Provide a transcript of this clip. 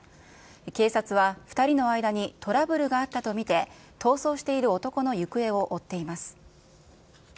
警察は２人の間にトラブルがあったと見て、逃走している男の行方を追っています。